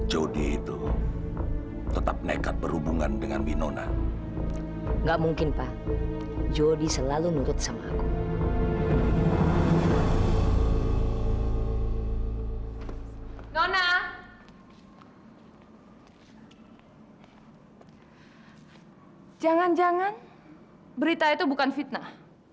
jangan jangan berita itu bukan fitnah